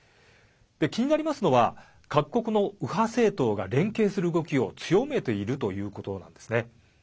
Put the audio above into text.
気になるのは、各国の右派政党が連携する動きを強めていることなんですね。